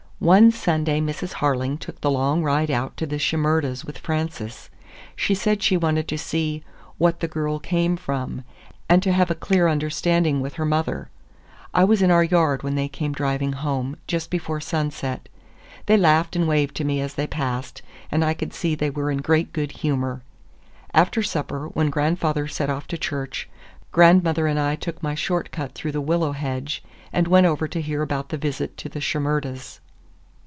One Sunday Mrs. Harling took the long ride out to the Shimerdas' with Frances. She said she wanted to see "what the girl came from" and to have a clear understanding with her mother. I was in our yard when they came driving home, just before sunset. They laughed and waved to me as they passed, and I could see they were in great good humor. After supper, when grandfather set off to church, grandmother and I took my short cut through the willow hedge and went over to hear about the visit to the Shimerdas.